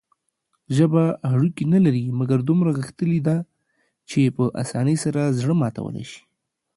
ژبه هډوکي نلري، مګر دومره غښتلي ده چې په اسانۍ سره زړه ماتولى شي.